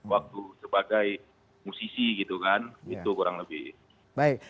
waktu sebagai musisi gitu kan itu kurang lebih